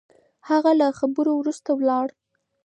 هغه له خبرو وروسته ولاړ.